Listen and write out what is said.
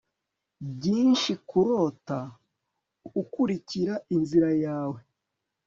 byinshi kurota ukurikira inzira yawe